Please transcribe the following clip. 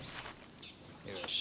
よし。